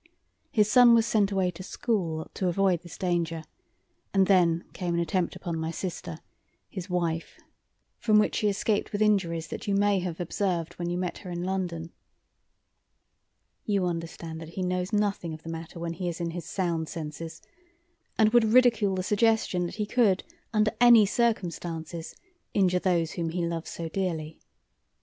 His son was sent away to school to avoid this danger, and then came an attempt upon my sister, his wife, from which she escaped with injuries that you may have observed when you met her in London. You understand that he knows nothing of the matter when he is in his sound senses, and would ridicule the suggestion that he could under any circumstances injure those whom he loves so dearly.